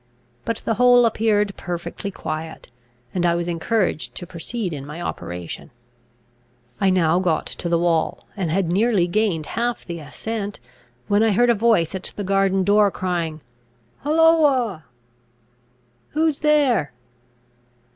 But the whole appeared perfectly quiet, and I was encouraged to proceed in my operation. I now got to the wall, and had nearly gained half the ascent, when I heard a voice at the garden door, crying, "Holloa! who is there?